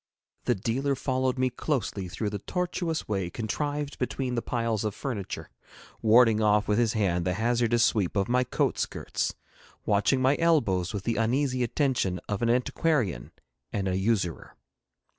The dealer followed me closely through the tortuous way contrived between the piles of furniture, warding off with his hand the hazardous sweep of my coat skirts, watching my elbows with the uneasy attention of an antiquarian and a usurer.